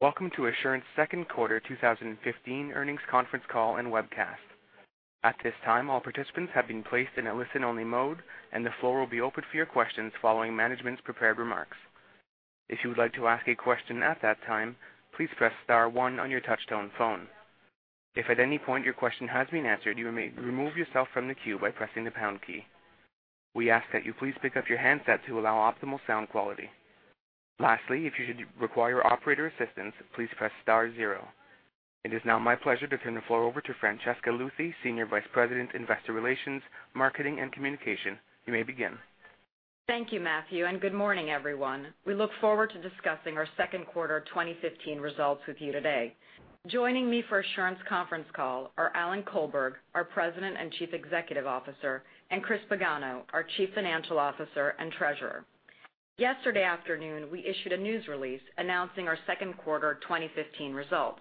Welcome to Assurant's second quarter 2015 earnings conference call and webcast. At this time, all participants have been placed in a listen-only mode. The floor will be open for your questions following management's prepared remarks. If you would like to ask a question at that time, please press star one on your touch-tone phone. If at any point your question has been answered, you may remove yourself from the queue by pressing the pound key. We ask that you please pick up your handsets to allow optimal sound quality. Lastly, if you should require operator assistance, please press star zero. It is now my pleasure to turn the floor over to Francesca Luthi, Senior Vice President, Investor Relations, Marketing, and Communication. You may begin. Thank you, Matthew. Good morning, everyone. We look forward to discussing our second quarter 2015 results with you today. Joining me for Assurant's conference call are Alan Colberg, our President and Chief Executive Officer, and Christopher Pagano, our Chief Financial Officer and Treasurer. Yesterday afternoon, we issued a news release announcing our second quarter 2015 results.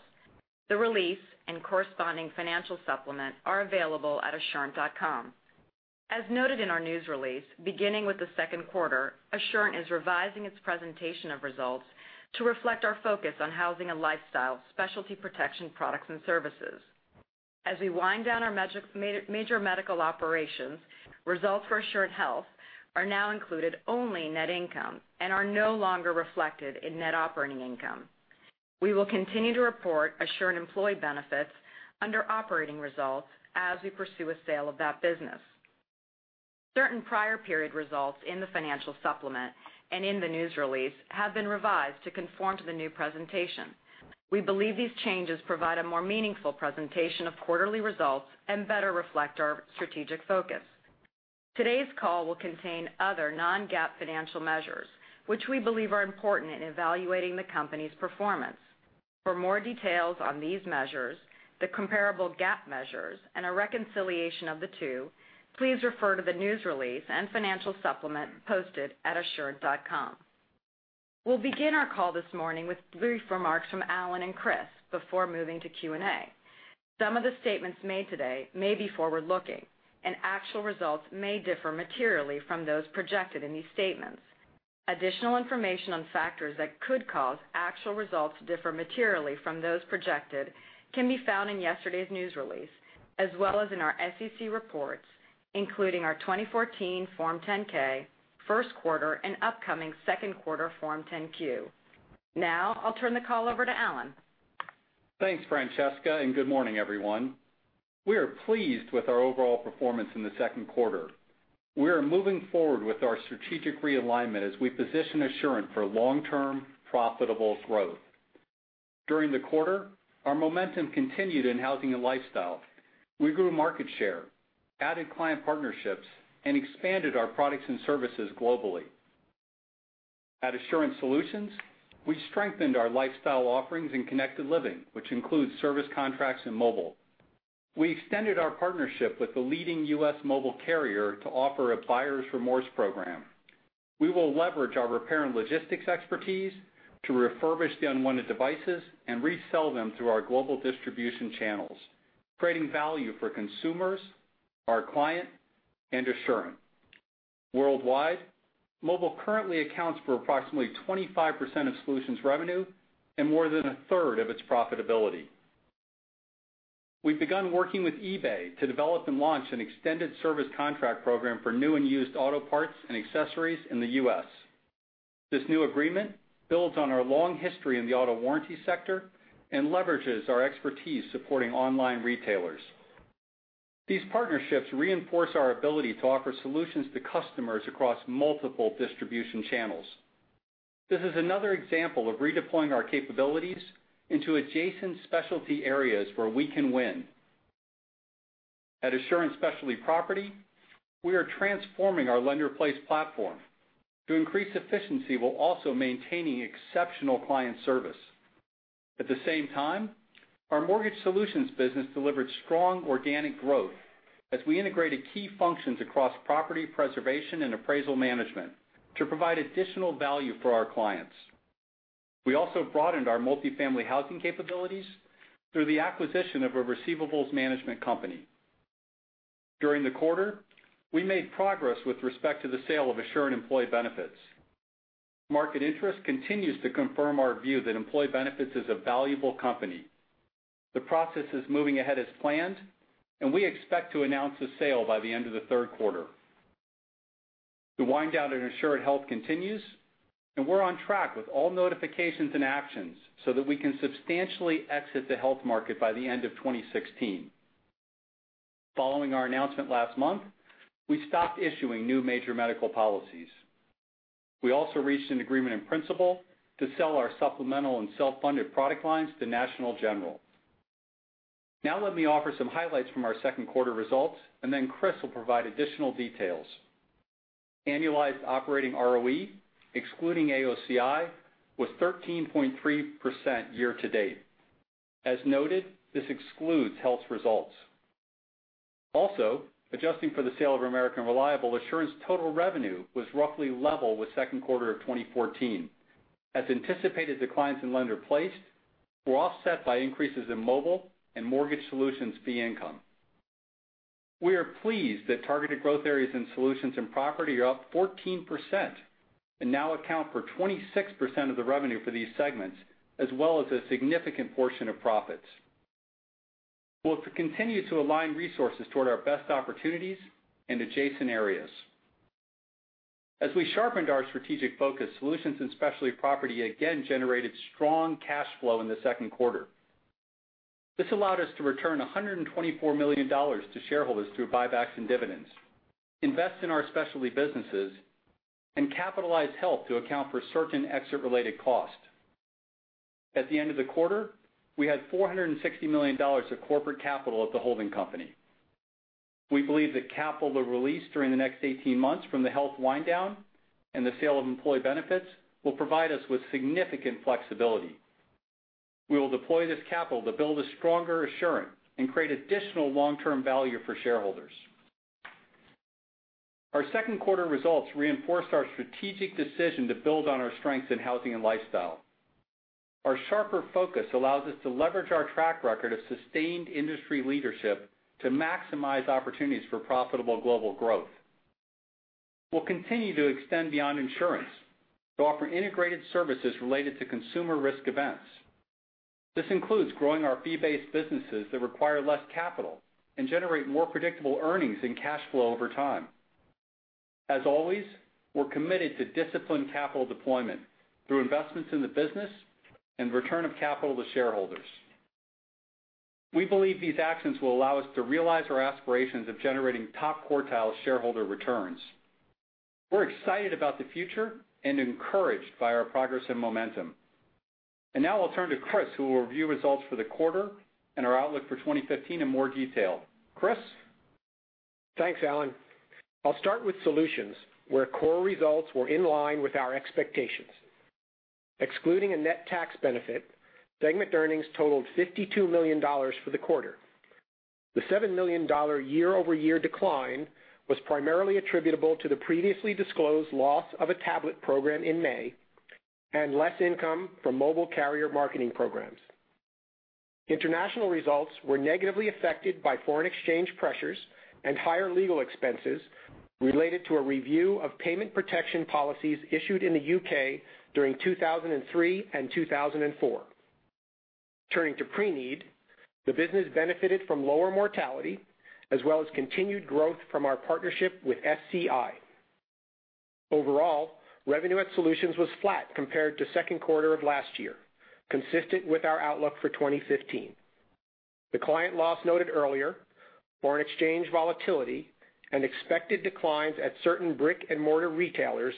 The release and corresponding financial supplement are available at assurant.com. As noted in our news release, beginning with the second quarter, Assurant is revising its presentation of results to reflect our focus on housing and lifestyle specialty protection products and services. As we wind down our major medical operations, results for Assurant Health are now included only in net income and are no longer reflected in net operating income. We will continue to report Assurant Employee Benefits under operating results as we pursue a sale of that business. Certain prior period results in the financial supplement and in the news release have been revised to conform to the new presentation. We believe these changes provide a more meaningful presentation of quarterly results and better reflect our strategic focus. Today's call will contain other non-GAAP financial measures, which we believe are important in evaluating the company's performance. For more details on these measures, the comparable GAAP measures, and a reconciliation of the two, please refer to the news release and financial supplement posted at assurant.com. We'll begin our call this morning with brief remarks from Alan and Chris before moving to Q&A. Actual results may differ materially from those projected in these statements. Additional information on factors that could cause actual results to differ materially from those projected can be found in yesterday's news release, as well as in our SEC reports, including our 2014 Form 10-K, first quarter, and upcoming second quarter Form 10-Q. Now, I'll turn the call over to Alan. Thanks, Francesca, and good morning, everyone. We are pleased with our overall performance in the second quarter. We are moving forward with our strategic realignment as we position Assurant for long-term profitable growth. During the quarter, our momentum continued in housing and lifestyle. We grew market share, added client partnerships, and expanded our products and services globally. At Assurant Solutions, we strengthened our lifestyle offerings in Connected Living, which includes service contracts and mobile. We extended our partnership with the leading U.S. mobile carrier to offer a buyer's remorse program. We will leverage our repair and logistics expertise to refurbish the unwanted devices and resell them through our global distribution channels, creating value for consumers, our client, and Assurant. Worldwide, mobile currently accounts for approximately 25% of Solutions revenue and more than a third of its profitability. We've begun working with eBay to develop and launch an extended service contract program for new and used auto parts and accessories in the U.S. This new agreement builds on our long history in the auto warranty sector and leverages our expertise supporting online retailers. These partnerships reinforce our ability to offer solutions to customers across multiple distribution channels. This is another example of redeploying our capabilities into adjacent specialty areas where we can win. At Assurant Specialty Property, we are transforming our lender-placed platform to increase efficiency while also maintaining exceptional client service. At the same time, our mortgage solutions business delivered strong organic growth as we integrated key functions across property preservation and appraisal management to provide additional value for our clients. We also broadened our multifamily housing capabilities through the acquisition of a receivables management company. During the quarter, we made progress with respect to the sale of Assurant Employee Benefits. Market interest continues to confirm our view that Employee Benefits is a valuable company. We expect to announce the sale by the end of the third quarter. The wind down at Assurant Health continues. We're on track with all notifications and actions so that we can substantially exit the health market by the end of 2016. Following our announcement last month, we stopped issuing new major medical policies. We also reached an agreement in principle to sell our supplemental and self-funded product lines to National General. Let me offer some highlights from our second quarter results, then Chris will provide additional details. Annualized operating ROE, excluding AOCI, was 13.3% year to date. As noted, this excludes health results. Adjusting for the sale of American Reliable, Assurant's total revenue was roughly level with second quarter of 2014. As anticipated, declines in lender-placed were offset by increases in mobile and mortgage solutions fee income. We are pleased that targeted growth areas in Solutions and Property are up 14% and now account for 26% of the revenue for these segments, as well as a significant portion of profits. We'll continue to align resources toward our best opportunities and adjacent areas. As we sharpened our strategic focus, Solutions and Specialty Property again generated strong cash flow in the second quarter. This allowed us to return $124 million to shareholders through buybacks and dividends, invest in our specialty businesses, and capitalize health to account for certain exit-related costs. At the end of the quarter, we had $460 million of corporate capital at the holding company. We believe the capital we'll release during the next 18 months from the health wind down and the sale of employee benefits will provide us with significant flexibility. We will deploy this capital to build a stronger Assurant and create additional long-term value for shareholders. Our second quarter results reinforced our strategic decision to build on our strengths in housing and lifestyle. Our sharper focus allows us to leverage our track record of sustained industry leadership to maximize opportunities for profitable global growth. We'll continue to extend beyond insurance to offer integrated services related to consumer risk events. This includes growing our fee-based businesses that require less capital and generate more predictable earnings and cash flow over time. As always, we're committed to disciplined capital deployment through investments in the business and return of capital to shareholders. We believe these actions will allow us to realize our aspirations of generating top-quartile shareholder returns. We're excited about the future and encouraged by our progress and momentum. Now I'll turn to Chris, who will review results for the quarter and our outlook for 2015 in more detail. Chris? Thanks, Alan. I'll start with Solutions, where core results were in line with our expectations. Excluding a net tax benefit, segment earnings totaled $52 million for the quarter. The $7 million year-over-year decline was primarily attributable to the previously disclosed loss of a tablet program in May and less income from mobile carrier marketing programs. International results were negatively affected by foreign exchange pressures and higher legal expenses related to a review of payment protection policies issued in the U.K. during 2003 and 2004. Turning to Preneed, the business benefited from lower mortality as well as continued growth from our partnership with FCI. Overall, revenue at Solutions was flat compared to second quarter of last year, consistent with our outlook for 2015. The client loss noted earlier, foreign exchange volatility, and expected declines at certain brick-and-mortar retailers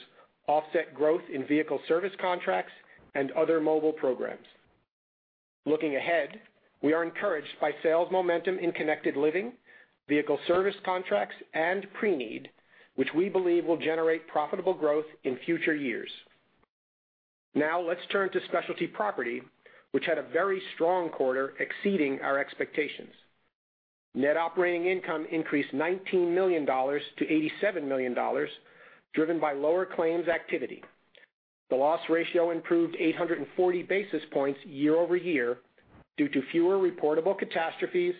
offset growth in vehicle service contracts and other mobile programs. Looking ahead, we are encouraged by sales momentum in Connected Living, vehicle service contracts, and Preneed, which we believe will generate profitable growth in future years. Now let's turn to Specialty Property, which had a very strong quarter exceeding our expectations. Net operating income increased $19 million to $87 million, driven by lower claims activity. The loss ratio improved 840 basis points year-over-year due to fewer reportable catastrophes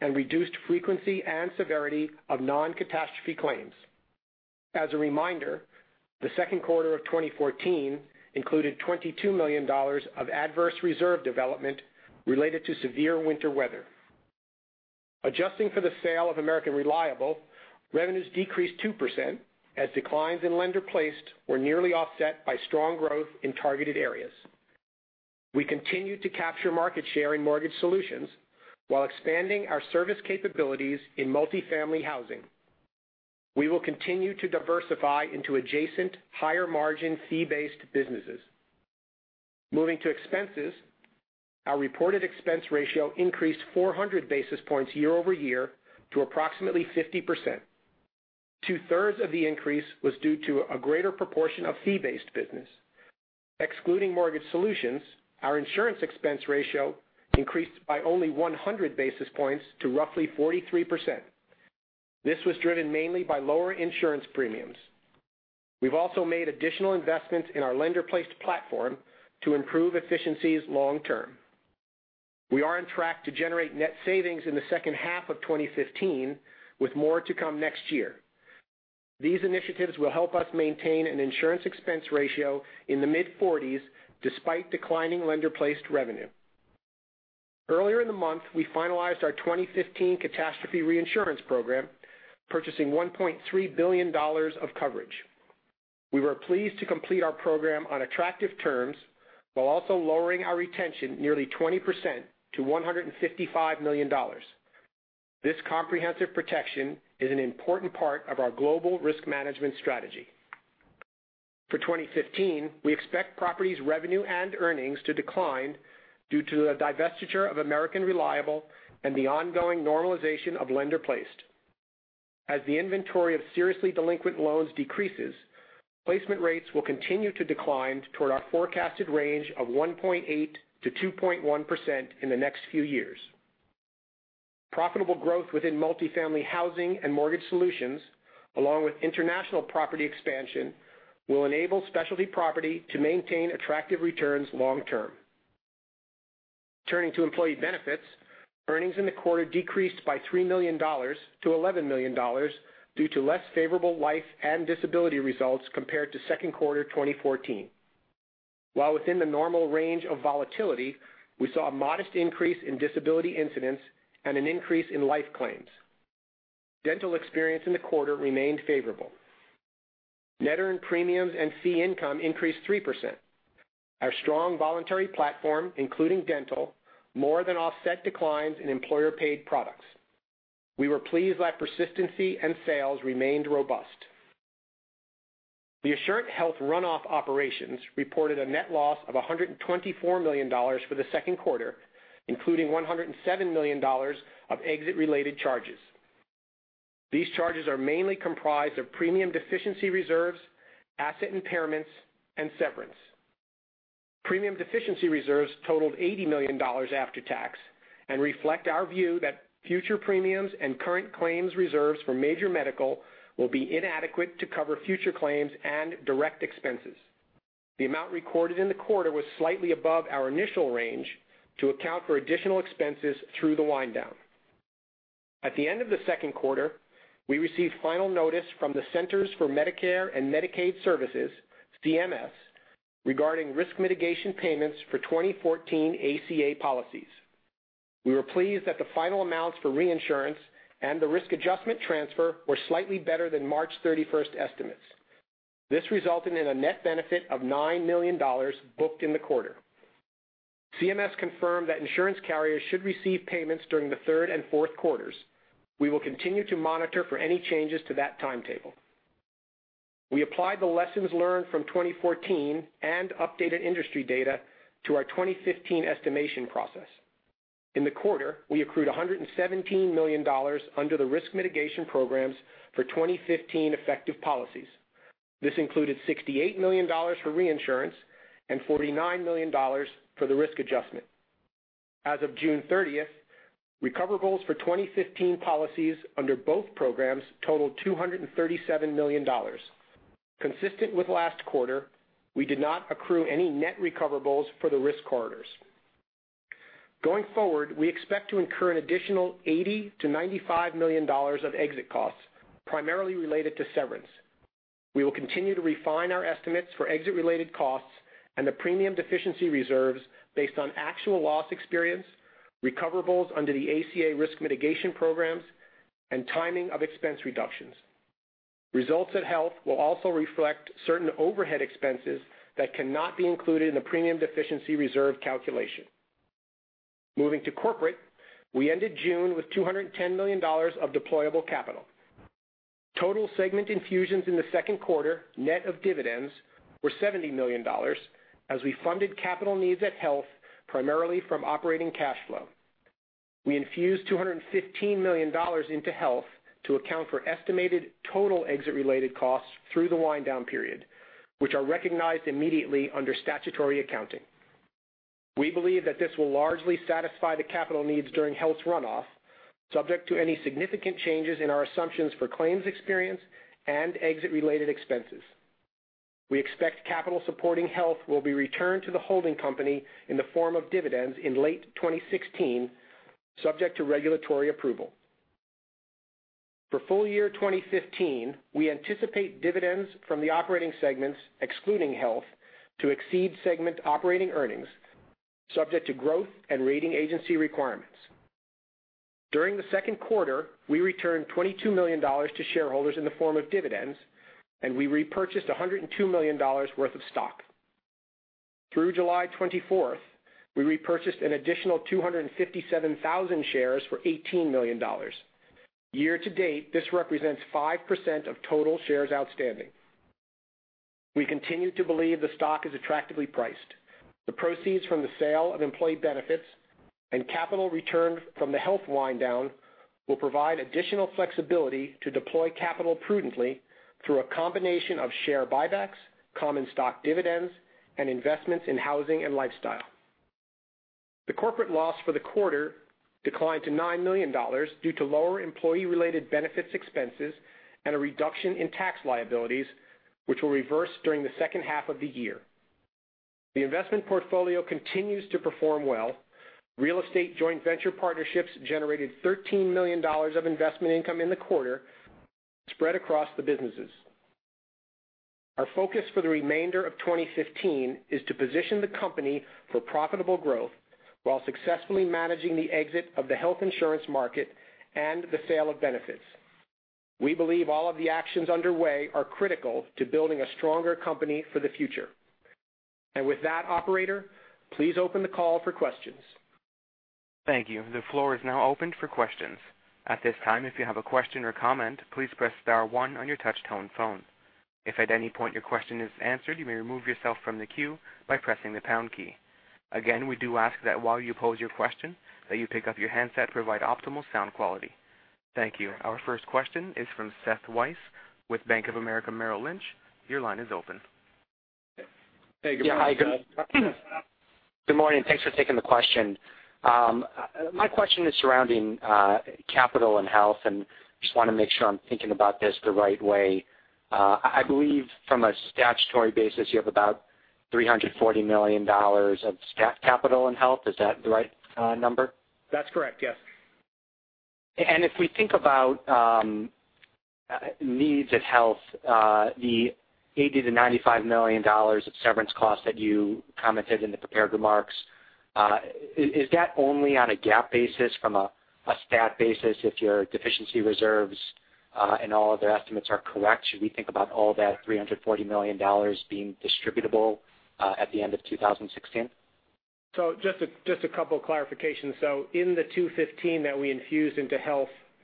and reduced frequency and severity of non-catastrophe claims. As a reminder, the second quarter of 2014 included $22 million of adverse reserve development related to severe winter weather. Adjusting for the sale of American Reliable, revenues decreased 2% as declines in lender-placed were nearly offset by strong growth in targeted areas. We continued to capture market share in mortgage solutions while expanding our service capabilities in multifamily housing. We will continue to diversify into adjacent higher margin fee-based businesses. Moving to expenses, our reported expense ratio increased 400 basis points year-over-year to approximately 50%. Two-thirds of the increase was due to a greater proportion of fee-based business. Excluding mortgage solutions, our insurance expense ratio increased by only 100 basis points to roughly 43%. This was driven mainly by lower insurance premiums. We have also made additional investments in our lender-placed platform to improve efficiencies long term. We are on track to generate net savings in the second half of 2015, with more to come next year. These initiatives will help us maintain an insurance expense ratio in the mid-40s despite declining lender-placed revenue. Earlier in the month, we finalized our 2015 catastrophe reinsurance program, purchasing $1.3 billion of coverage. We were pleased to complete our program on attractive terms while also lowering our retention nearly 20% to $155 million. This comprehensive protection is an important part of our global risk management strategy. For 2015, we expect Properties revenue and earnings to decline due to the divestiture of American Reliable and the ongoing normalization of lender-placed. As the inventory of seriously delinquent loans decreases, placement rates will continue to decline toward our forecasted range of 1.8%-2.1% in the next few years. Profitable growth within multifamily housing and mortgage solutions, along with international property expansion, will enable Specialty Property to maintain attractive returns long term. Turning to Employee Benefits, earnings in the quarter decreased by $3 million to $11 million due to less favorable life and disability results compared to second quarter 2014. While within the normal range of volatility, we saw a modest increase in disability incidents and an increase in life claims. Dental experience in the quarter remained favorable. Net earned premiums and fee income increased 3%. Our strong voluntary platform, including dental, more than offset declines in employer-paid products. We were pleased that persistency and sales remained robust. The Assurant Health runoff operations reported a net loss of $124 million for the second quarter, including $107 million of exit-related charges. These charges are mainly comprised of premium deficiency reserves, asset impairments, and severance. Premium deficiency reserves totaled $80 million after tax and reflect our view that future premiums and current claims reserves for major medical will be inadequate to cover future claims and direct expenses. The amount recorded in the quarter was slightly above our initial range to account for additional expenses through the wind down. At the end of the second quarter, we received final notice from the Centers for Medicare and Medicaid Services, CMS, regarding risk mitigation payments for 2014 ACA policies. We were pleased that the final amounts for reinsurance and the risk adjustment transfer were slightly better than March 31st estimates. This resulted in a net benefit of $9 million booked in the quarter. CMS confirmed that insurance carriers should receive payments during the third and fourth quarters. We will continue to monitor for any changes to that timetable. We applied the lessons learned from 2014 and updated industry data to our 2015 estimation process. In the quarter, we accrued $117 million under the risk mitigation programs for 2015 effective policies. This included $68 million for reinsurance and $49 million for the risk adjustment. As of June 30th, recoverables for 2015 policies under both programs totaled $237 million. Consistent with last quarter, we did not accrue any net recoverables for the risk corridors. Going forward, we expect to incur an additional $80 million-$95 million of exit costs, primarily related to severance. We will continue to refine our estimates for exit-related costs and the premium deficiency reserves based on actual loss experience, recoverables under the ACA risk mitigation programs, and timing of expense reductions. Results at Health will also reflect certain overhead expenses that cannot be included in the premium deficiency reserve calculation. Moving to corporate, we ended June with $210 million of deployable capital. Total segment infusions in the second quarter, net of dividends, were $70 million, as we funded capital needs at Health primarily from operating cash flow. We infused $215 million into Health to account for estimated total exit-related costs through the wind-down period, which are recognized immediately under statutory accounting. We believe that this will largely satisfy the capital needs during Health's runoff, subject to any significant changes in our assumptions for claims experience and exit-related expenses. We expect capital supporting Health will be returned to the holding company in the form of dividends in late 2016, subject to regulatory approval. For full year 2015, we anticipate dividends from the operating segments, excluding Health, to exceed segment operating earnings, subject to growth and rating agency requirements. During the second quarter, we returned $22 million to shareholders in the form of dividends, and we repurchased $102 million worth of stock. Through July 24th, we repurchased an additional 257,000 shares for $18 million. Year to date, this represents 5% of total shares outstanding. We continue to believe the stock is attractively priced. The proceeds from the sale of Employee Benefits and capital returned from the Health wind-down will provide additional flexibility to deploy capital prudently through a combination of share buybacks, common stock dividends, and investments in housing and lifestyle. The corporate loss for the quarter declined to $9 million due to lower employee-related benefits expenses and a reduction in tax liabilities, which will reverse during the second half of the year. The investment portfolio continues to perform well. Real estate joint venture partnerships generated $13 million of investment income in the quarter spread across the businesses. Our focus for the remainder of 2015 is to position the company for profitable growth while successfully managing the exit of the health insurance market and the sale of benefits. We believe all of the actions underway are critical to building a stronger company for the future. With that, operator, please open the call for questions. Thank you. The floor is now opened for questions. At this time, if you have a question or comment, please press star one on your touch-tone phone. If at any point your question is answered, you may remove yourself from the queue by pressing the pound key. Again, we do ask that while you pose your question, that you pick up your handset provide optimal sound quality. Thank you. Our first question is from Seth Weiss with Bank of America Merrill Lynch. Your line is open. Hey, good morning. Yeah, hi, good morning. Thanks for taking the question. My question is surrounding capital and health, and just want to make sure I'm thinking about this the right way. I believe from a statutory basis, you have about $340 million of capital and health. Is that the right number? That's correct. Yes. If we think about Assurant Health, the $80 million-$95 million of severance costs that you commented in the prepared remarks, is that only on a GAAP basis from a STAT basis if your deficiency reserves and all of the estimates are correct? Should we think about all that $340 million being distributable at the end of 2016? Just a couple of clarifications. In the $215 that we infused into Assurant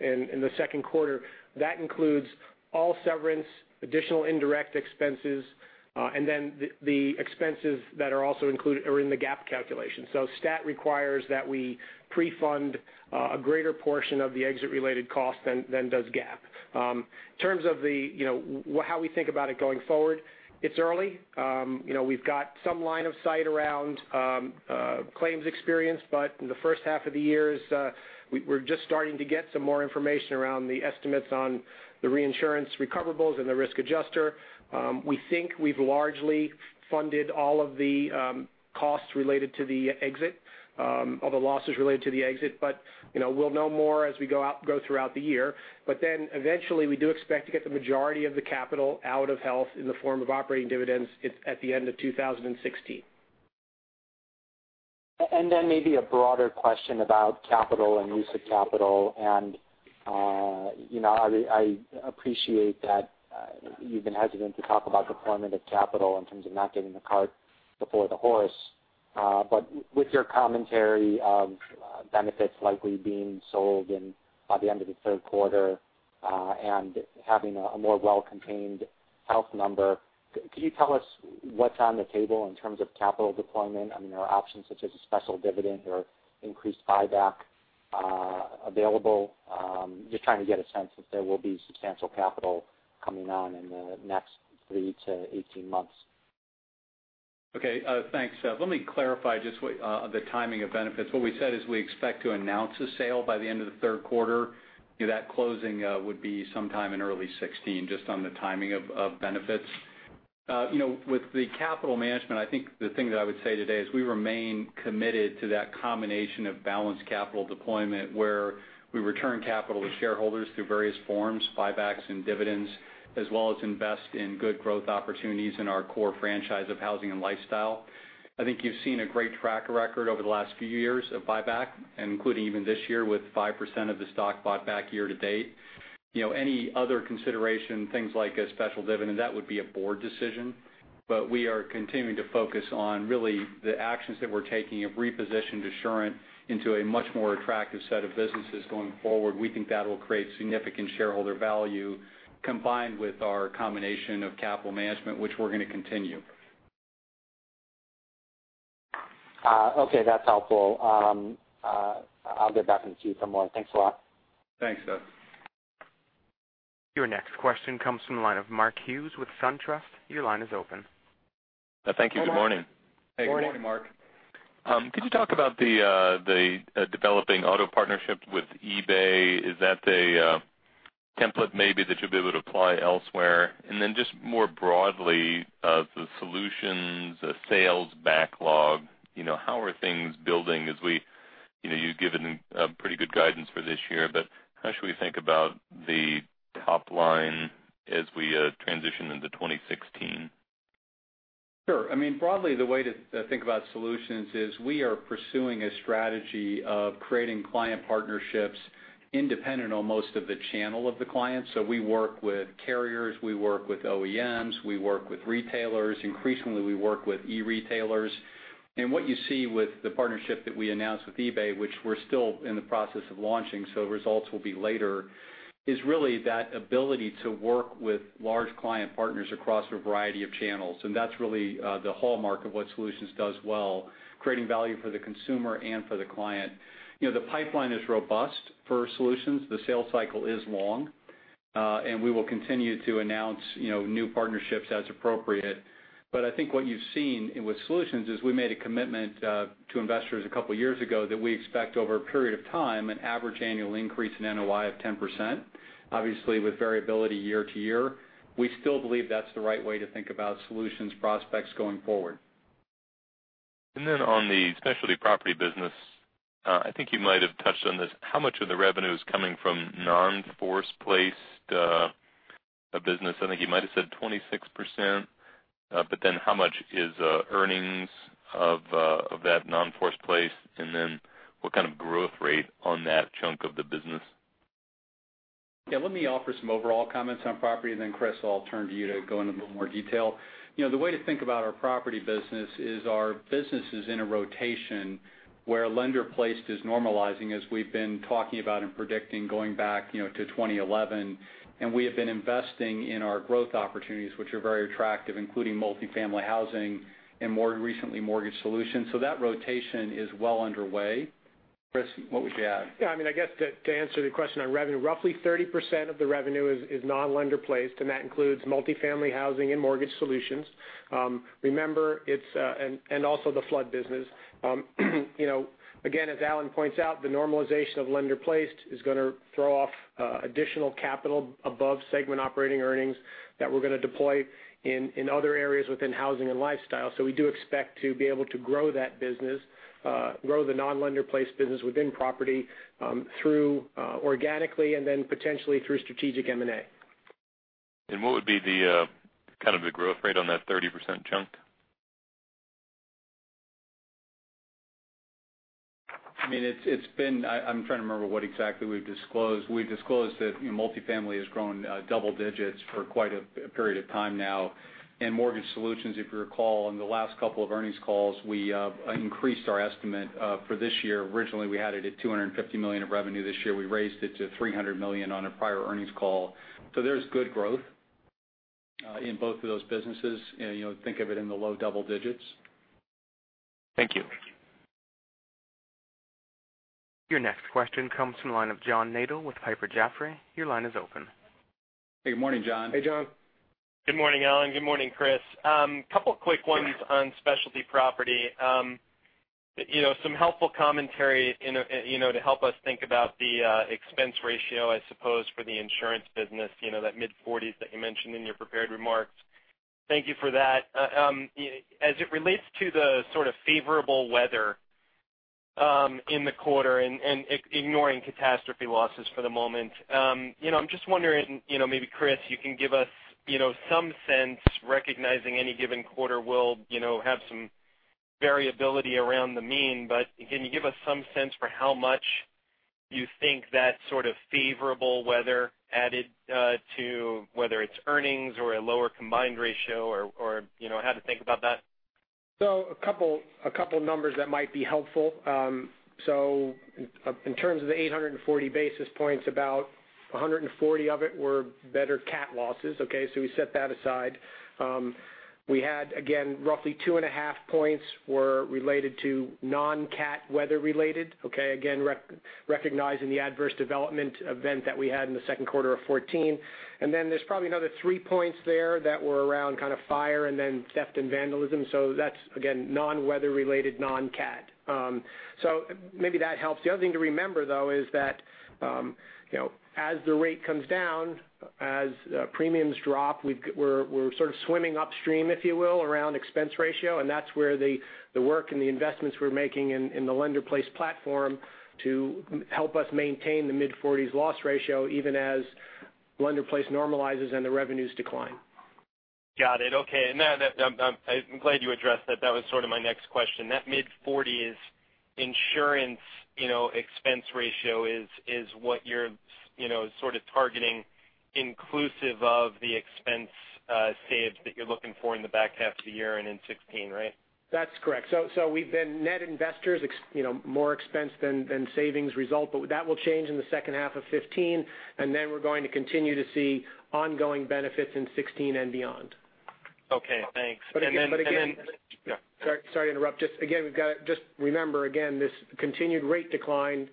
Health in the second quarter, that includes all severance, additional indirect expenses, and then the expenses that are also included are in the GAAP calculation. STAT requires that we pre-fund a greater portion of the exit related cost than does GAAP. In terms of how we think about it going forward, it's early. We've got some line of sight around claims experience, but in the first half of the year, we're just starting to get some more information around the estimates on the reinsurance recoverables and the risk adjuster. We think we've largely funded all of the costs related to the exit, all the losses related to the exit, but we'll know more as we go throughout the year. Eventually we do expect to get the majority of the capital out of Assurant Health in the form of operating dividends at the end of 2016. Maybe a broader question about capital and use of capital, and I appreciate that you've been hesitant to talk about deployment of capital in terms of not getting the cart before the horse. With your commentary of Benefits likely being sold by the end of the third quarter and having a more well-contained Assurant Health number, can you tell us what's on the table in terms of capital deployment? Are there options such as a special dividend or increased buyback available? Just trying to get a sense if there will be substantial capital coming on in the next 3-18 months. Okay, thanks. Let me clarify just the timing of benefits. What we said is we expect to announce a sale by the end of the third quarter. That closing would be sometime in early 2016, just on the timing of benefits. With the capital management, the thing that I would say today is we remain committed to that combination of balanced capital deployment where we return capital to shareholders through various forms, buybacks and dividends, as well as invest in good growth opportunities in our core franchise of housing and lifestyle. You've seen a great track record over the last few years of buyback, including even this year with 5% of the stock bought back year to date. Any other consideration, things like a special dividend, that would be a board decision. We are continuing to focus on really the actions that we're taking. We've repositioned Assurant into a much more attractive set of businesses going forward. We think that will create significant shareholder value combined with our combination of capital management, which we're going to continue. Okay, that's helpful. I'll get back with you some more. Thanks a lot. Thanks, Seth. Your next question comes from the line of Mark Hughes with SunTrust. Your line is open. Thank you. Good morning. Hey, good morning, Mark. Could you talk about the developing auto partnership with eBay? Is that a template maybe that you'll be able to apply elsewhere? Just more broadly, the Solutions, the sales backlog, how are things building as you've given pretty good guidance for this year, but how should we think about the top line as we transition into 2016? Sure. Broadly, the way to think about Solutions is we are pursuing a strategy of creating client partnerships independent on most of the channel of the client. We work with carriers, we work with OEMs, we work with retailers. Increasingly, we work with e-retailers. What you see with the partnership that we announced with eBay, which we're still in the process of launching, so results will be later, is really that ability to work with large client partners across a variety of channels. That's really the hallmark of what Solutions does well, creating value for the consumer and for the client. The pipeline is robust for Solutions. The sales cycle is long. We will continue to announce new partnerships as appropriate. I think what you've seen with Solutions is we made a commitment to investors a couple of years ago that we expect over a period of time, an average annual increase in NOI of 10%, obviously with variability year-to-year. We still believe that's the right way to think about Solutions prospects going forward. On the specialty property business, I think you might have touched on this, how much of the revenue is coming from non-force-placed business? I think you might have said 26%, how much is earnings of that non-force-placed, what kind of growth rate on that chunk of the business? Let me offer some overall comments on property, Chris, I'll turn to you to go into a little more detail. The way to think about our property business is our business is in a rotation where lender-placed is normalizing, as we've been talking about and predicting going back to 2011. We have been investing in our growth opportunities, which are very attractive, including multi-family housing and more recently, mortgage solutions. That rotation is well underway. Chris, what would you add? I guess to answer the question on revenue, roughly 30% of the revenue is non-lender-placed, that includes multi-family housing and mortgage solutions. Remember, also the flood business. Again, as Alan points out, the normalization of lender-placed is going to throw off additional capital above segment operating earnings that we're going to deploy in other areas within housing and lifestyle. We do expect to be able to grow that business, grow the non-lender-placed business within property through organically and then potentially through strategic M&A. What would be the growth rate on that 30% chunk? I'm trying to remember what exactly we've disclosed. We disclosed that multi-family has grown double digits for quite a period of time now. In mortgage solutions, if you recall, on the last couple of earnings calls, we increased our estimate for this year. Originally, we had it at $250 million of revenue this year. We raised it to $300 million on a prior earnings call. There's good growth in both of those businesses. Think of it in the low double digits. Thank you. Your next question comes from the line of John Nadel with Piper Jaffray. Your line is open. Hey, good morning, John. Hey, John. Good morning, Alan. Good morning, Chris. Couple quick ones on Specialty Property. Some helpful commentary to help us think about the expense ratio, I suppose, for the insurance business, that mid-40s that you mentioned in your prepared remarks. Thank you for that. As it relates to the sort of favorable weather in the quarter and ignoring catastrophe losses for the moment, I'm just wondering, maybe Chris, you can give us some sense, recognizing any given quarter will have some variability around the mean, but can you give us some sense for how much you think that sort of favorable weather added to, whether it's earnings or a lower combined ratio, or how to think about that? A couple of numbers that might be helpful. In terms of the 840 basis points, about 140 of it were better cat losses, okay. We set that aside. We had, again, roughly 2.5 points were related to non-cat weather related, okay. Again, recognizing the adverse development event that we had in the second quarter of 2014. There's probably another 3 points there that were around kind of fire and then theft and vandalism. That's, again, non-weather related, non-cat. Maybe that helps. The other thing to remember, though, is that as the rate comes down, as premiums drop, we're sort of swimming upstream, if you will, around expense ratio, and that's where the work and the investments we're making in the lender-placed platform to help us maintain the mid-40s loss ratio, even as lender-placed normalizes and the revenues decline. Got it. Okay. I'm glad you addressed that. That was sort of my next question. That mid-40s insurance expense ratio is what you're sort of targeting inclusive of the expense saves that you're looking for in the back half of the year and in 2016, right? That's correct. We've been net investors, more expense than savings result, but that will change in the second half of 2015. We're going to continue to see ongoing benefits in 2016 and beyond. Okay, thanks. But again- Yeah. Sorry to interrupt. Just remember, again, this continued rate decline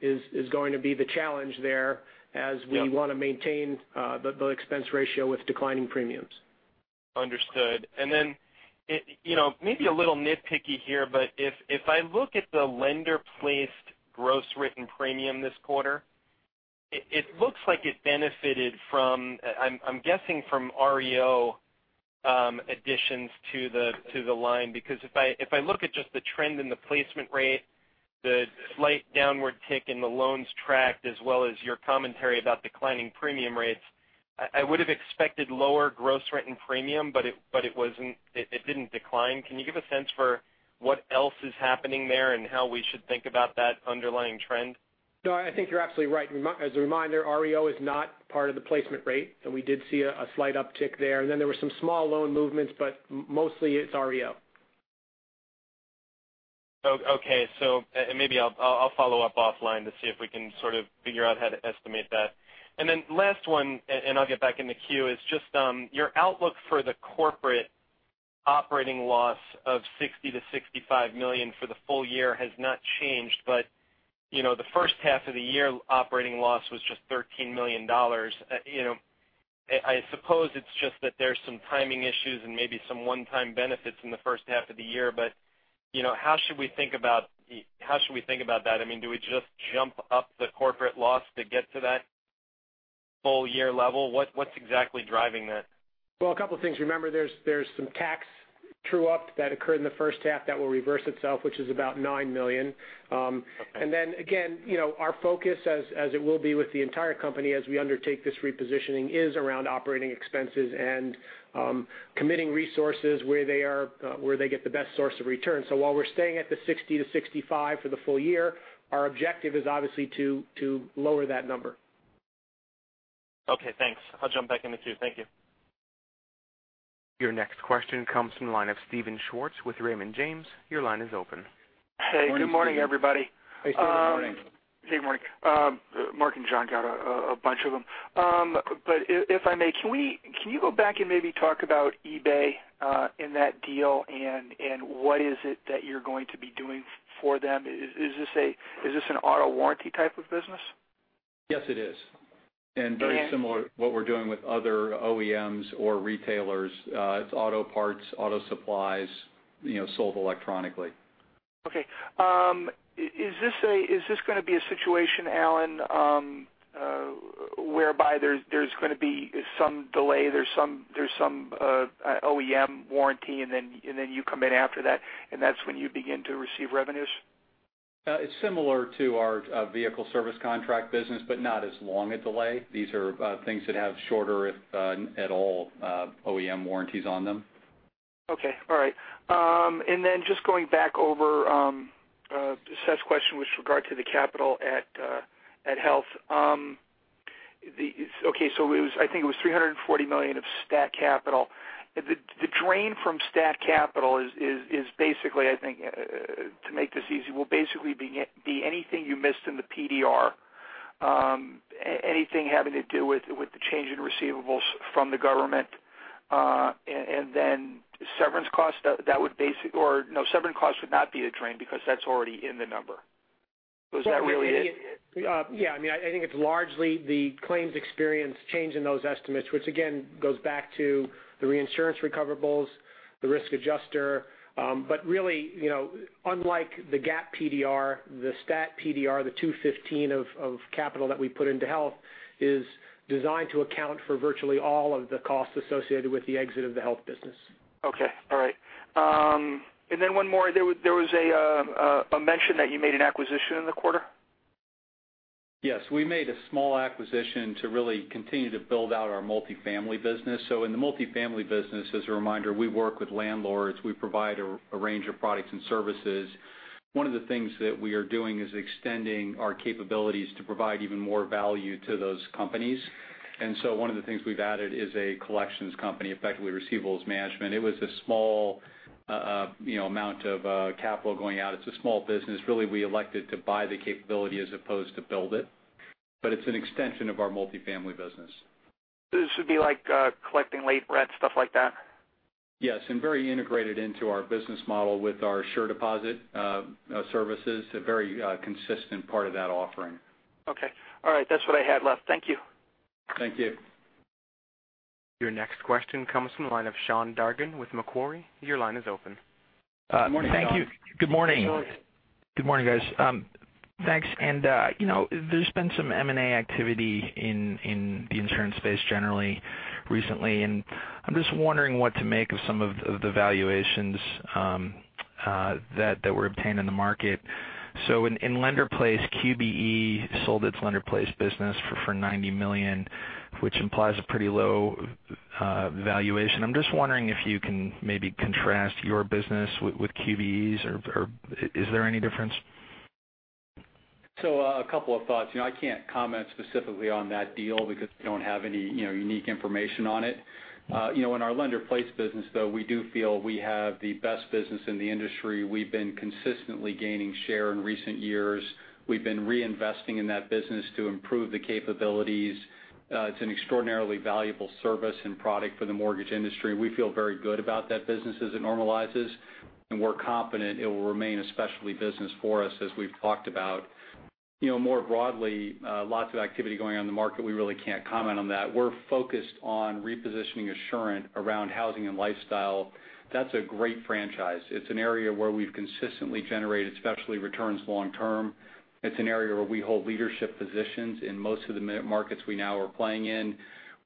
is going to be the challenge there as we want to maintain the expense ratio with declining premiums. Understood. Maybe a little nitpicky here, but if I look at the lender-placed gross written premium this quarter, it looks like it benefited from, I'm guessing from REO additions to the line, because if I look at just the trend in the placement rate, the slight downward tick in the loans tracked as well as your commentary about declining premium rates, I would have expected lower gross written premium, but it didn't decline. Can you give a sense for what else is happening there and how we should think about that underlying trend? No, I think you're absolutely right. As a reminder, REO is not part of the lender-placed rate, and we did see a slight uptick there. There were some small loan movements, but mostly it's REO. Okay. Maybe I'll follow up offline to see if we can sort of figure out how to estimate that. Last one, and I'll get back in the queue, is just your outlook for the corporate operating loss of $60 million-$65 million for the full year has not changed. The first half of the year operating loss was just $13 million. I suppose it's just that there's some timing issues and maybe some one-time benefits in the first half of the year. How should we think about that? I mean, do we just jump up the corporate loss to get to that full year level? What's exactly driving that? Well, a couple things. Remember, there's some tax true-up that occurred in the first half that will reverse itself, which is about $9 million. Okay. Again our focus as it will be with the entire company as we undertake this repositioning is around operating expenses and committing resources where they get the best source of return. While we're staying at the $60 million-$65 million for the full year, our objective is obviously to lower that number. Okay, thanks. I'll jump back in the queue. Thank you. Your next question comes from the line of Steven Schwartz with Raymond James. Your line is open. Good morning. Hey, good morning, everybody. Hey, Steve. Good morning. Hey, good morning. Mark and John got a bunch of them. If I may, can you go back and maybe talk about eBay in that deal, and what is it that you're going to be doing for them? Is this an auto warranty type of business? Yes, it is. And- Very similar to what we're doing with other OEMs or retailers. It's auto parts, auto supplies sold electronically. Okay. Is this going to be a situation, Alan, whereby there's going to be some delay, there's some OEM warranty, and then you come in after that, and that's when you begin to receive revenues? It's similar to our vehicle service contract business, but not as long a delay. These are things that have shorter, if at all, OEM warranties on them. Then just going back over Seth's question with regard to the capital at Health. I think it was $340 million of stat capital. The drain from stat capital is basically, I think to make this easy, will basically be anything you missed in the PDR, anything having to do with the change in receivables from the government, and then severance costs. Severance costs would not be the drain because that's already in the number. Was that really it? Yeah. I think it's largely the claims experience change in those estimates, which again, goes back to the reinsurance recoverables, the risk adjuster. Really, unlike the GAAP PDR, the stat PDR, the $215 of capital that we put into Health is designed to account for virtually all of the costs associated with the exit of the Health business. Okay. All right. One more. There was a mention that you made an acquisition in the quarter? Yes, we made a small acquisition to really continue to build out our multifamily business. In the multifamily business, as a reminder, we work with landlords. We provide a range of products and services. One of the things that we are doing is extending our capabilities to provide even more value to those companies. One of the things we've added is a collections company, effectively receivables management. It was a small amount of capital going out. It's a small business. Really, we elected to buy the capability as opposed to build it, but it's an extension of our multifamily business. This would be like collecting late rent, stuff like that? Yes, very integrated into our business model with our SureDeposit services, a very consistent part of that offering. Okay. All right. That's what I had left. Thank you. Thank you. Your next question comes from the line of Sean Dargan with Macquarie. Your line is open. Good morning, Sean. Thank you. Good morning. Good morning, guys. Thanks. There's been some M&A activity in the insurance space generally recently, and I'm just wondering what to make of some of the valuations that were obtained in the market. In lender-placed, QBE sold its lender-placed business for $90 million, which implies a pretty low valuation. I'm just wondering if you can maybe contrast your business with QBE's or is there any difference? A couple of thoughts. I can't comment specifically on that deal because we don't have any unique information on it. In our lender-placed business, though, we do feel we have the best business in the industry. We've been consistently gaining share in recent years. We've been reinvesting in that business to improve the capabilities. It's an extraordinarily valuable service and product for the mortgage industry, and we feel very good about that business as it normalizes, and we're confident it will remain a specialty business for us, as we've talked about. More broadly, lots of activity going on in the market. We really can't comment on that. We're focused on repositioning Assurant around housing and lifestyle. That's a great franchise. It's an area where we've consistently generated specialty returns long term. It's an area where we hold leadership positions in most of the markets we now are playing in.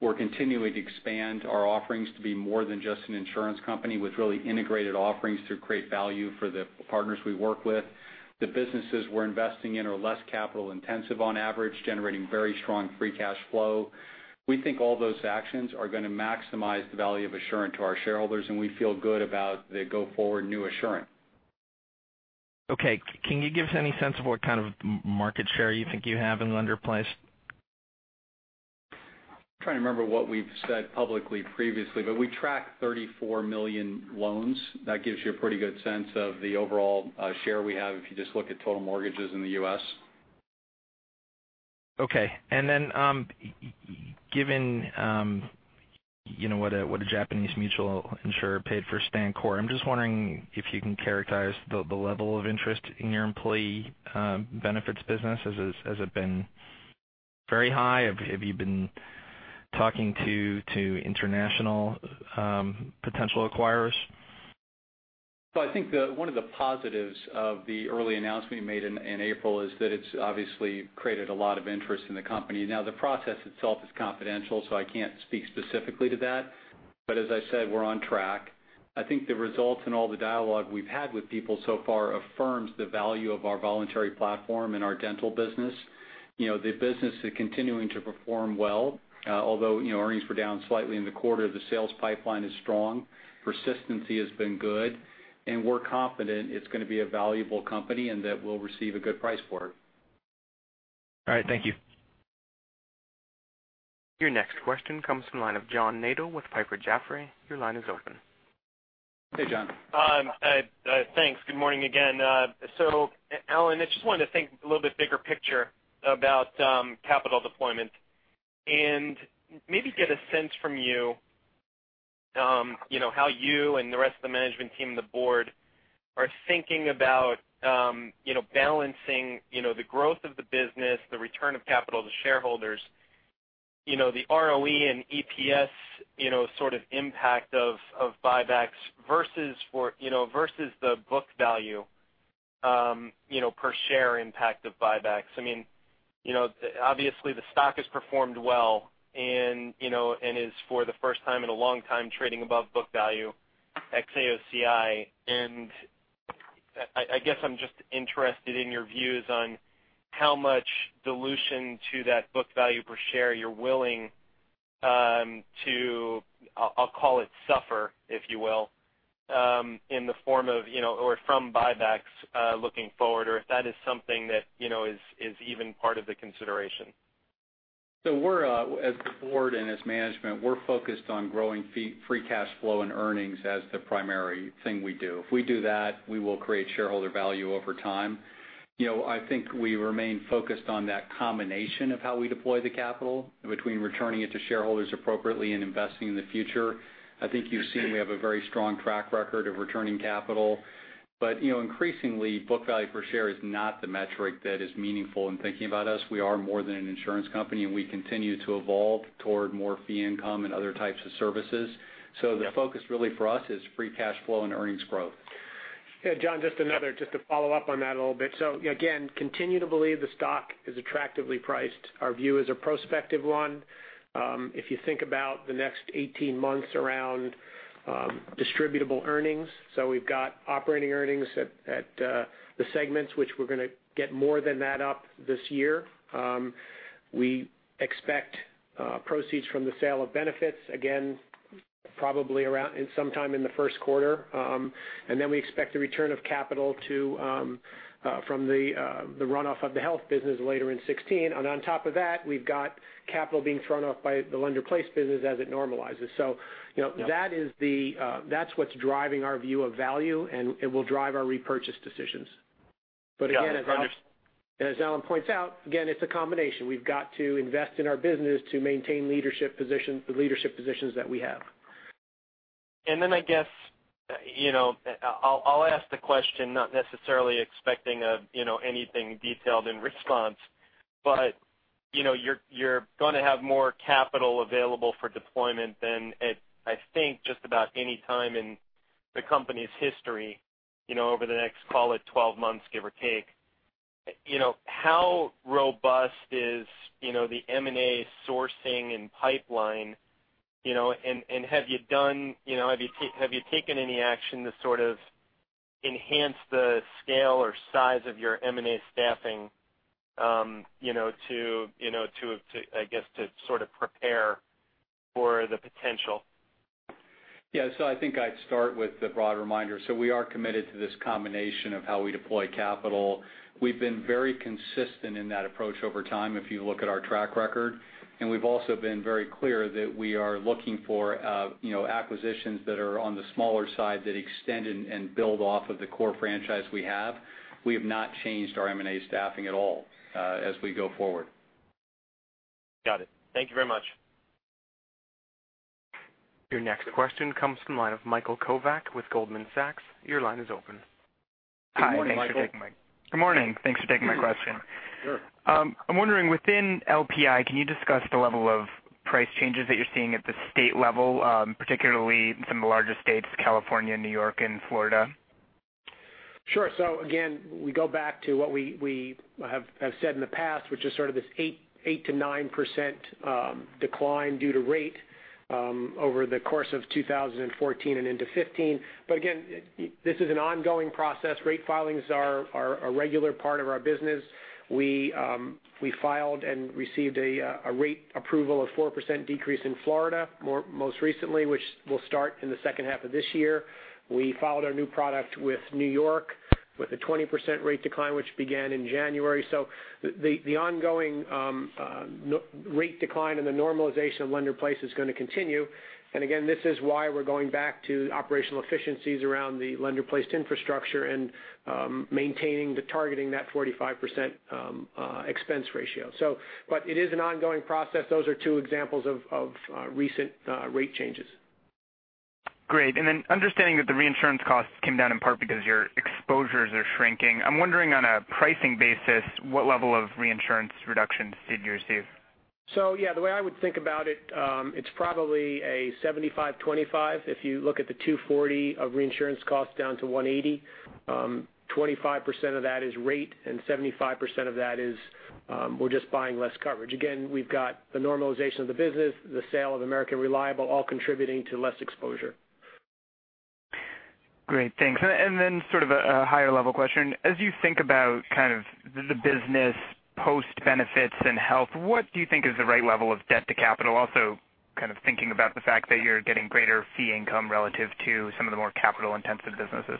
We're continuing to expand our offerings to be more than just an insurance company with really integrated offerings to create value for the partners we work with. The businesses we're investing in are less capital intensive on average, generating very strong free cash flow. We think all those actions are going to maximize the value of Assurant to our shareholders, and we feel good about the go forward new Assurant. Okay. Can you give us any sense of what kind of market share you think you have in lender-placed? I'm trying to remember what we've said publicly previously. We track 34 million loans. That gives you a pretty good sense of the overall share we have if you just look at total mortgages in the U.S. Okay. Given what a Japanese mutual insurer paid for StanCorp, I'm just wondering if you can characterize the level of interest in your employee benefits business. Has it been very high? Have you been talking to international potential acquirers? I think one of the positives of the early announcement we made in April is that it's obviously created a lot of interest in the company. The process itself is confidential, so I can't speak specifically to that. As I said, we're on track. I think the results and all the dialogue we've had with people so far affirms the value of our voluntary platform and our dental business. The business is continuing to perform well. Although earnings were down slightly in the quarter, the sales pipeline is strong. Persistency has been good, and we're confident it's going to be a valuable company and that we'll receive a good price for it. All right. Thank you. Your next question comes from the line of John Nadel with Piper Jaffray. Your line is open. Hey, John. Thanks. Good morning again. Alan, I just wanted to think a little bit bigger picture about capital deployment and maybe get a sense from you how you and the rest of the management team and the board are thinking about balancing the growth of the business, the return of capital to shareholders, the ROE and EPS sort of impact of buybacks versus the book value per share impact of buybacks. Obviously, the stock has performed well and is, for the first time in a long time, trading above book value. ex-AOCI, I guess I'm just interested in your views on how much dilution to that book value per share you're willing to, I'll call it suffer, if you will, in the form of or from buybacks looking forward, or if that is something that is even part of the consideration. We're, as the board and as management, we're focused on growing free cash flow and earnings as the primary thing we do. If we do that, we will create shareholder value over time. I think we remain focused on that combination of how we deploy the capital between returning it to shareholders appropriately and investing in the future. I think you've seen we have a very strong track record of returning capital. Increasingly, book value per share is not the metric that is meaningful in thinking about us. We are more than an insurance company, and we continue to evolve toward more fee income and other types of services. The focus really for us is free cash flow and earnings growth. Yeah, John, just another, just to follow up on that a little bit. Again, continue to believe the stock is attractively priced. Our view is a prospective one. If you think about the next 18 months around distributable earnings, we've got operating earnings at the segments, which we're going to get more than that up this year. We expect proceeds from the sale of benefits, again, probably sometime in the first quarter. Then we expect the return of capital from the runoff of the health business later in 2016. On top of that, we've got capital being thrown off by the lender-placed business as it normalizes. That's what's driving our view of value, and it will drive our repurchase decisions. Again, as Alan points out, again, it's a combination. We've got to invest in our business to maintain the leadership positions that we have. I guess, I'll ask the question, not necessarily expecting anything detailed in response, but you're going to have more capital available for deployment than at, I think, just about any time in the company's history, over the next, call it 12 months, give or take. How robust is the M&A sourcing and pipeline, and have you taken any action to sort of enhance the scale or size of your M&A staffing to, I guess, to sort of prepare for the potential? Yeah. I think I'd start with the broad reminder. We are committed to this combination of how we deploy capital. We've been very consistent in that approach over time, if you look at our track record. We've also been very clear that we are looking for acquisitions that are on the smaller side that extend and build off of the core franchise we have. We have not changed our M&A staffing at all as we go forward. Got it. Thank you very much. Your next question comes from the line of Michael Kovac with Goldman Sachs. Your line is open. Good morning, Michael. Good morning. Thanks for taking my question. Sure. I'm wondering, within LPI, can you discuss the level of price changes that you're seeing at the state level, particularly some of the larger states, California, New York, and Florida? Sure. Again, we go back to what we have said in the past, which is sort of this 8%-9% decline due to rate over the course of 2014 and into 2015. Again, this is an ongoing process. Rate filings are a regular part of our business. We filed and received a rate approval of 4% decrease in Florida, most recently, which will start in the second half of this year. We filed our new product with New York with a 20% rate decline, which began in January. The ongoing rate decline and the normalization of lender-placed is going to continue. Again, this is why we're going back to operational efficiencies around the lender-placed infrastructure and maintaining the targeting that 45% expense ratio. It is an ongoing process. Those are two examples of recent rate changes. Great. Understanding that the reinsurance costs came down in part because your exposures are shrinking, I'm wondering on a pricing basis, what level of reinsurance reductions did you receive? The way I would think about it's probably a 75/25. If you look at the 240 of reinsurance costs down to 180, 25% of that is rate, and 75% of that is we're just buying less coverage. Again, we've got the normalization of the business, the sale of American Reliable, all contributing to less exposure. Great, thanks. Sort of a higher level question. As you think about kind of the business post Benefits and Health, what do you think is the right level of debt to capital? Also, kind of thinking about the fact that you're getting greater fee income relative to some of the more capital-intensive businesses.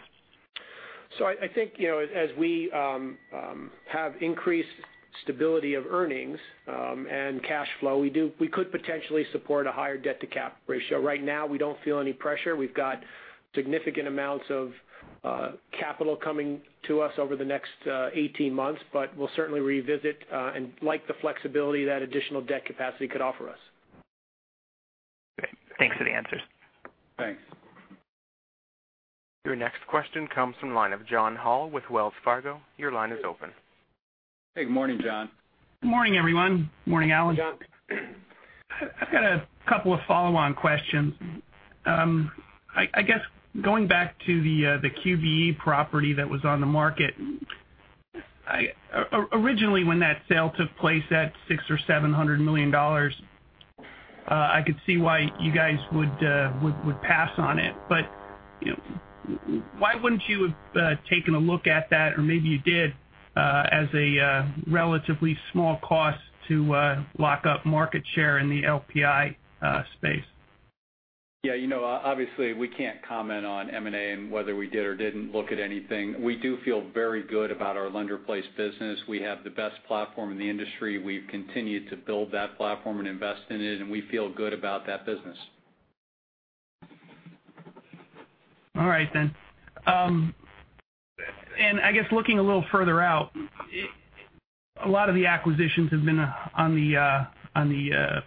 As we have increased stability of earnings and cash flow, we could potentially support a higher debt-to-cap ratio. Right now, we don't feel any pressure. We've got significant amounts of capital coming to us over the next 18 months, but we'll certainly revisit and like the flexibility that additional debt capacity could offer us. Great. Thanks for the answers. Thanks. Your next question comes from the line of John Hall with Wells Fargo. Your line is open. Hey, good morning, John. Good morning, everyone. Morning, Alan. John. I've got a couple of follow-on questions. I guess going back to the QBE property that was on the market, originally, when that sale took place at $600 million or $700 million, I could see why you guys would pass on it. Why wouldn't you have taken a look at that, or maybe you did, as a relatively small cost to lock up market share in the LPI space? Yeah. Obviously, we can't comment on M&A and whether we did or didn't look at anything. We do feel very good about our lender-placed business. We have the best platform in the industry. We've continued to build that platform and invest in it, and we feel good about that business. All right then. I guess looking a little further out, a lot of the acquisitions have been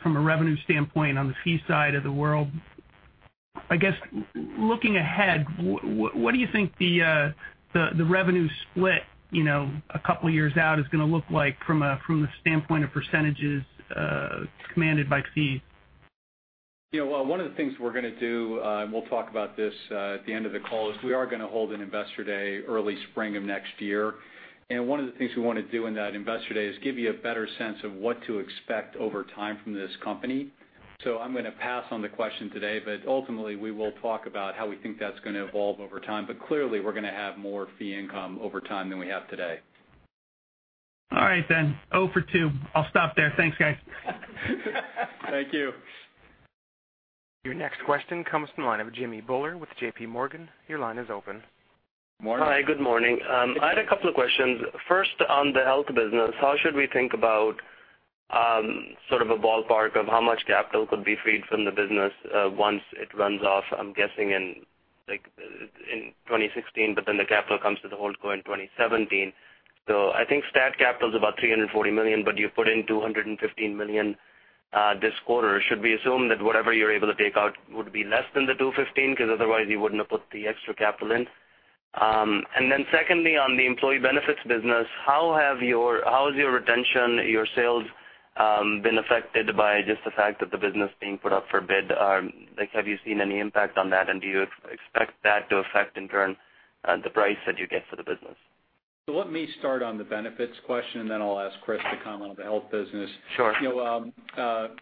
from a revenue standpoint, on the fee side of the world. I guess, looking ahead, what do you think the revenue split a couple of years out is going to look like from the standpoint of % commanded by fees? Well, one of the things we're going to do, and we'll talk about this at the end of the call, is we are going to hold an investor day early spring of next year. One of the things we want to do in that investor day is give you a better sense of what to expect over time from this company. I'm going to pass on the question today, but ultimately, we will talk about how we think that's going to evolve over time. Clearly, we're going to have more fee income over time than we have today. All right then. Oh for two. I'll stop there. Thanks, guys. Thank you. Your next question comes from the line of Jimmy Bhullar with J.P. Morgan. Your line is open. Morning. Hi, good morning. I had a couple of questions. First, on the health business, how should we think about sort of a ballpark of how much capital could be freed from the business once it runs off, I'm guessing in 2016, then the capital comes to the whole coin 2017. I think stat capital is about $340 million, but you put in $215 million this quarter. Should we assume that whatever you're able to take out would be less than the $215 because otherwise you wouldn't have put the extra capital in? Secondly, on the employee benefits business, how has your retention, your sales, been affected by just the fact of the business being put up for bid? Have you seen any impact on that, and do you expect that to affect, in turn, the price that you get for the business? Let me start on the Benefits question, and then I'll ask Chris to comment on the Health business. Sure.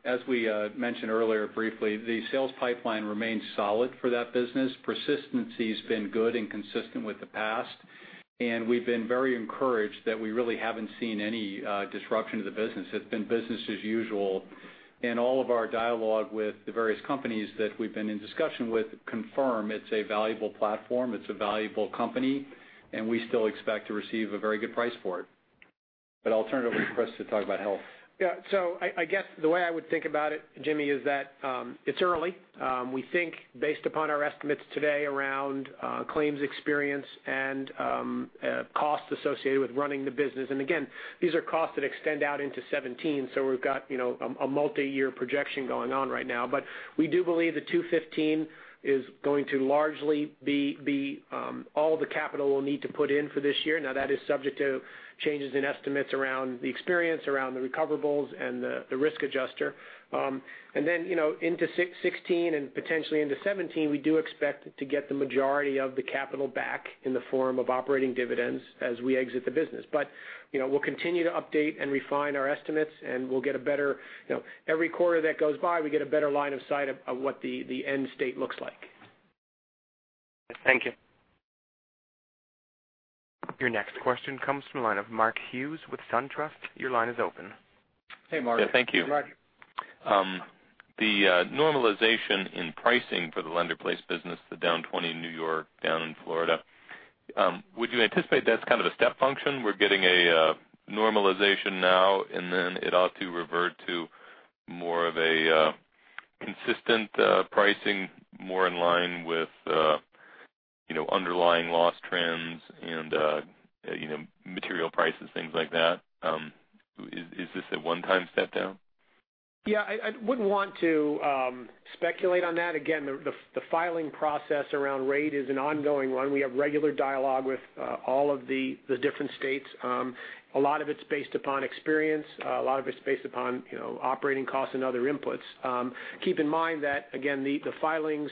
As we mentioned earlier briefly, the sales pipeline remains solid for that business. Persistency's been good and consistent with the past, and we've been very encouraged that we really haven't seen any disruption to the business. It's been business as usual. All of our dialogue with the various companies that we've been in discussion with confirm it's a valuable platform, it's a valuable company, and we still expect to receive a very good price for it. I'll turn it over to Chris to talk about Health. Yeah. I guess the way I would think about it, Jimmy, is that it's early. We think based upon our estimates today around claims experience and cost associated with running the business, and again, these are costs that extend out into 2017, so we've got a multi-year projection going on right now. We do believe that $215 is going to largely be all the capital we'll need to put in for this year. Now, that is subject to changes in estimates around the experience, around the recoverables, and the risk adjuster. Then into 2016 and potentially into 2017, we do expect to get the majority of the capital back in the form of operating dividends as we exit the business. We'll continue to update and refine our estimates, and every quarter that goes by, we get a better line of sight of what the end state looks like. Thank you. Your next question comes from the line of Mark Hughes with SunTrust. Your line is open. Hey, Mark. Yeah, thank you. Roger. The normalization in pricing for the lender-placed business, the down 20 in New York, down in Florida, would you anticipate that's kind of a step function? We're getting a normalization now, and then it ought to revert to more of a consistent pricing, more in line with underlying loss trends and material prices, things like that. Is this a one-time step down? Yeah, I wouldn't want to speculate on that. Again, the filing process around rate is an ongoing one. We have regular dialogue with all of the different states. A lot of it's based upon experience. A lot of it's based upon operating costs and other inputs. Keep in mind that, again, the filings,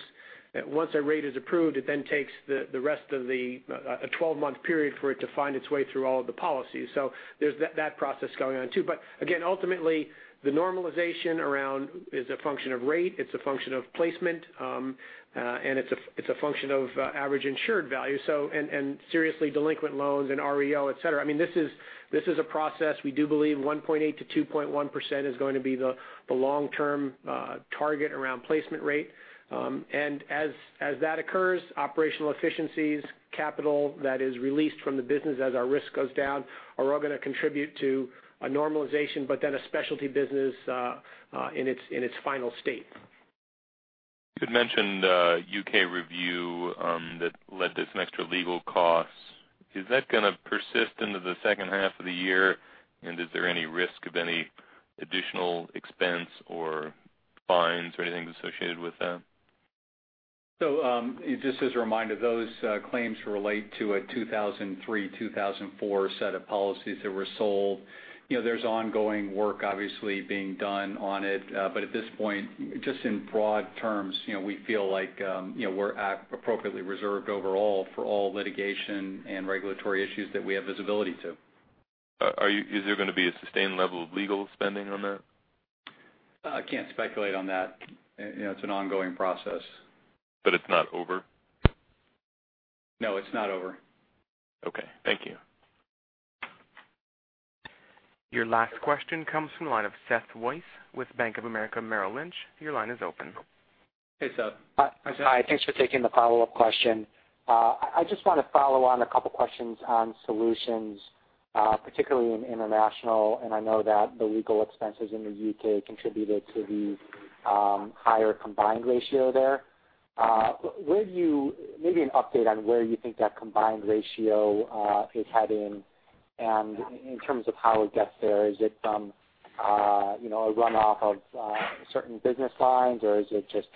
once a rate is approved, it then takes the rest of a 12-month period for it to find its way through all of the policies. There's that process going on, too. Again, ultimately, the normalization around is a function of rate, it's a function of placement, and it's a function of average insured value. Seriously delinquent loans and REO, et cetera. This is a process. We do believe 1.8%-2.1% is going to be the long-term target around placement rate. As that occurs, operational efficiencies, capital that is released from the business as our risk goes down, are all going to contribute to a normalization, but then a specialty business in its final state. You had mentioned U.K. review that led to some extra legal costs. Is that going to persist into the second half of the year, and is there any risk of any additional expense or fines or anything associated with that? just as a reminder, those claims relate to a 2003, 2004 set of policies that were sold. There's ongoing work obviously being done on it. At this point, just in broad terms, we feel like we're appropriately reserved overall for all litigation and regulatory issues that we have visibility to. Is there going to be a sustained level of legal spending on that? I can't speculate on that. It's an ongoing process. It's not over? No, it's not over. Okay. Thank you. Your last question comes from the line of Seth Weiss with Bank of America Merrill Lynch. Your line is open. Hey, Seth. Hi, Seth. Thanks for taking the follow-up question. I just want to follow on a couple questions on Assurant Solutions, particularly in international. I know that the legal expenses in the U.K. contributed to the higher combined ratio there. Maybe an update on where you think that combined ratio is heading and in terms of how it gets there, is it from a runoff of certain business lines, or is it just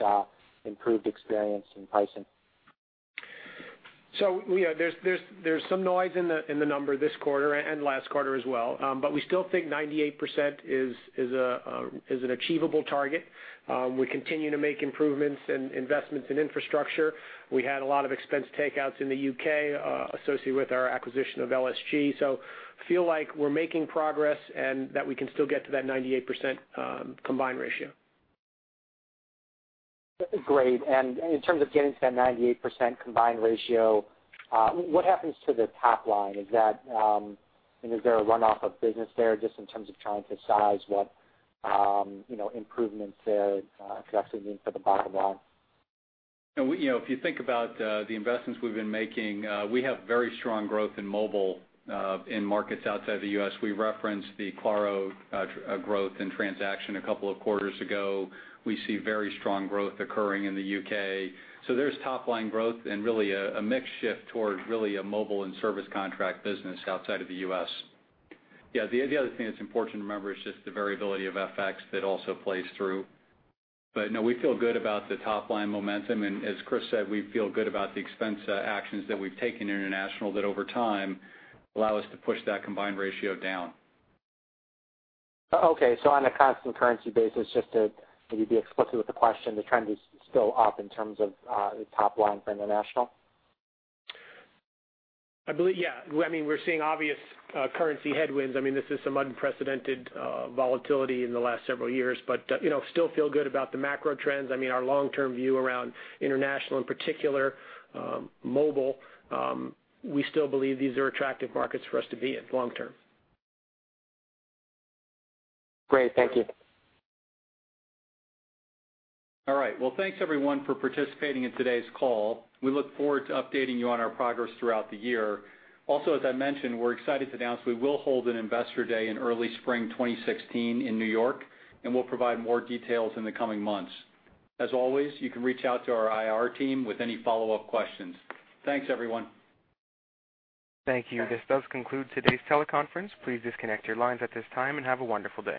improved experience in pricing? There's some noise in the number this quarter and last quarter as well. We still think 98% is an achievable target. We continue to make improvements and investments in infrastructure. We had a lot of expense takeouts in the U.K. associated with our acquisition of LSG, so feel like we're making progress and that we can still get to that 98% combined ratio. Great. In terms of getting to that 98% combined ratio, what happens to the top line? Is there a runoff of business there, just in terms of trying to size what improvements there could actually mean for the bottom line? If you think about the investments we've been making, we have very strong growth in mobile in markets outside the U.S. We referenced the Quaro growth and transaction a couple of quarters ago. We see very strong growth occurring in the U.K. There's top-line growth and really a mix shift towards really a mobile and service contract business outside of the U.S. The other thing that's important to remember is just the variability of FX that also plays through. No, we feel good about the top-line momentum, and as Chris said, we feel good about the expense actions that we've taken in international that over time allow us to push that combined ratio down. Okay. On a constant currency basis, just to maybe be explicit with the question, the trend is still up in terms of the top line for international? I believe, yeah. We're seeing obvious currency headwinds. This is some unprecedented volatility in the last several years, but still feel good about the macro trends. Our long-term view around international, in particular mobile, we still believe these are attractive markets for us to be in long term. Great. Thank you. All right. Well, thanks everyone for participating in today's call. We look forward to updating you on our progress throughout the year. As I mentioned, we're excited to announce we will hold an investor day in early spring 2016 in New York, and we'll provide more details in the coming months. As always, you can reach out to our IR team with any follow-up questions. Thanks, everyone. Thank you. This does conclude today's teleconference. Please disconnect your lines at this time and have a wonderful day.